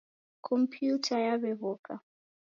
Kompyuta yaw'ew'oka.